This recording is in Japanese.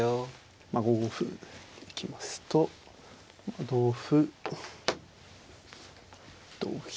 まあ５五歩行きますと同歩同銀。